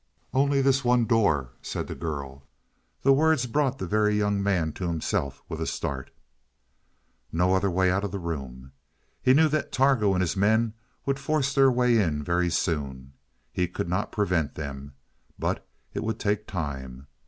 "Only this one door," said the girl. The words brought the Very Young Man to himself with a start. No other way out of the room! He knew that Targo and his men would force their way in very soon. He could not prevent them. But it would take time.